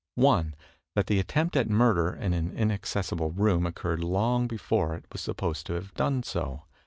One, that the attempt at murder in an inaccessible room occurred long before it was supposed to have done so.